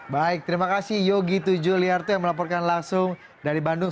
baik terima kasih yogi tuju liarto yang melaporkan langsung dari bandung